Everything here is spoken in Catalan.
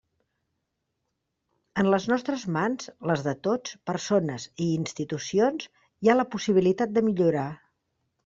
En les nostres mans, les de tots, persones i institucions, hi ha la possibilitat de millorar.